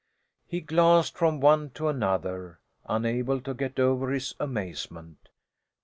He glanced from one to another, unable to get over his amazement.